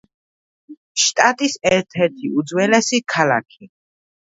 შტატის ერთ–ერთი უძველესი ქალაქი.